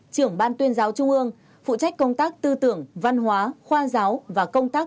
trưởng ban tuyên giáo trung ương phụ trách công tác tư tưởng văn hóa khoa giáo và công tác